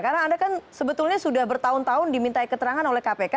karena anda kan sebetulnya sudah bertahun tahun diminta keterangan oleh kpk